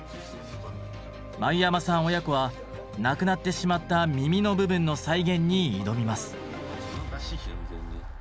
繭山さん親子は無くなってしまった耳の部分の再現に挑みます。